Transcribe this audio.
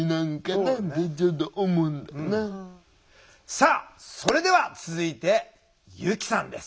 さあそれでは続いて由希さんです。